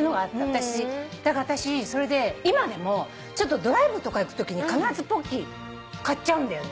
だから私それで今でもドライブとか行くときに必ずポッキー買っちゃうんだよね。